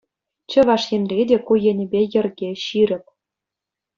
Чӑваш Енре те ку енӗпе йӗрке ҫирӗп.